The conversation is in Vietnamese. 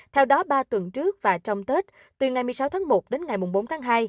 theo đó ba tuần trước và trong tết từ ngày một mươi sáu tháng một đến ngày bốn tháng hai